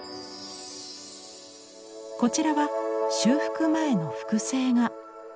こちらは修復前の複製画。